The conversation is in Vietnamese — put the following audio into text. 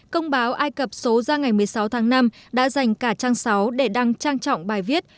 công báo ai cập số ra ngày một mươi sáu tháng năm đã dành cả trang sáu để đăng trang trọng bài viết